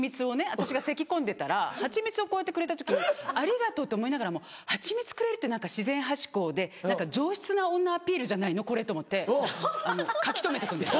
私がせき込んでたら蜂蜜をこうやってくれた時にありがとうって思いながらも蜂蜜くれるって自然派志向で上質な女アピールじゃないのこれと思って書き留めておくんです。